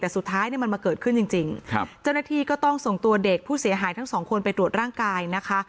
แต่สุดท้ายเนี่ยมันมาเกิดขึ้นจริงครับเจ้าหน้าที่ก็ต้องส่งตัวเด็กผู้เสียหายทั้งสองคนไปตรวจร่างกายนะคะ